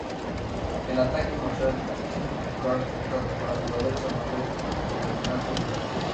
El ataque Marshall es muy popular tanto para jugadores amateur, como de alto nivel.